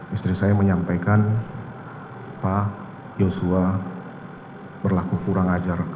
istri saya menyampaikan pak yosua berlaku kurang ajar